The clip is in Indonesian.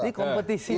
ini kompetisi lah